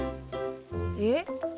えっ？